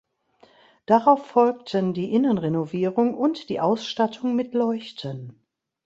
Darauf folgten die Innenrenovierung und die Ausstattung mit Leuchten.